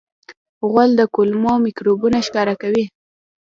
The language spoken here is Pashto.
غول د کولمو میکروبونه ښکاره کوي.